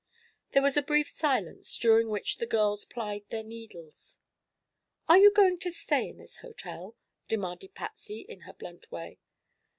There was a brief silence, during which the girls plied their needles. "Are you going to stay in this hotel?" demanded Patsy, in her blunt way.